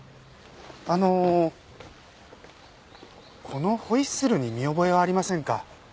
あのこのホイッスルに見覚えはありませんか？